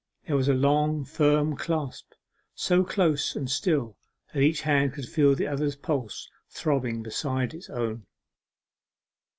There was a long firm clasp, so close and still that each hand could feel the other's pulse throbbing beside its own.